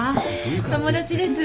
友達です。